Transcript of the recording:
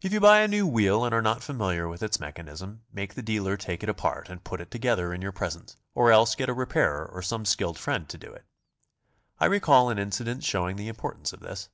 If you buy a new wheel and are not familiar with its mechanism, make the dealer take it apart and put it to gether in your presence, or else get a repairer or some skilled friend to do it. I recall an incident showing the importance of this.